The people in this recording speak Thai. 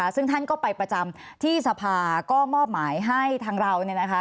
ซึ่งท่านก็ไปประจำที่สภาก็มอบหมายให้ทางเรา